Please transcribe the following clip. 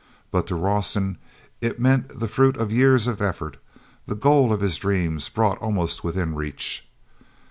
But to Rawson it meant the fruit of years of effort, the goal of his dreams brought almost within his reach.